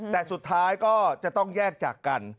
แต่สุดท้ายก็จะต้องแยกจากกัน